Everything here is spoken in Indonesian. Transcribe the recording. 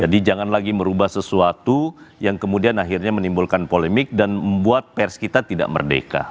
jadi jangan lagi merubah sesuatu yang kemudian akhirnya menimbulkan polemik dan membuat pers kita tidak merdeka